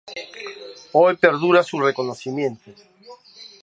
Hoy perdura su reconocimiento.